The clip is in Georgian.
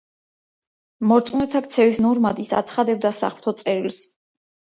მორწმუნეთა ქცევის ნორმად ის აცხადებდა საღმრთო წერილს.